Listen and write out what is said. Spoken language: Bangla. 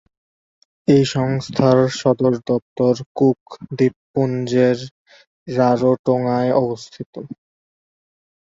এই সংস্থার সদর দপ্তর কুক দ্বীপপুঞ্জের রারোটোঙ্গায় অবস্থিত।